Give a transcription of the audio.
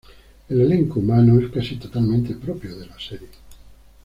El elenco humano es casi totalmente propio de la serie.